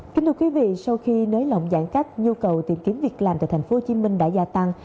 kính thưa quý vị sau khi nới lỏng giãn cách nhu cầu tìm kiếm việc làm tại tp hcm đã gia tăng